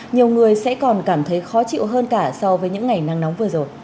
nhiều người sẽ còn cảm thấy khó chịu hơn cả so với những ngày nắng nóng vừa rồi